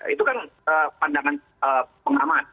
itu kan pandangan pengaman